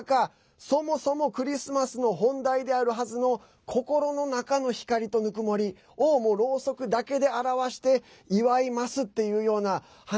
そもそもクリスマスの本題であるはずの心の中の光とぬくもりをろうそくだけで表して祝いますっていうような話。